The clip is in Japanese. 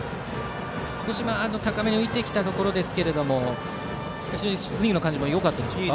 少し高めに浮いてきたところですがスイングの感じもよかったですか。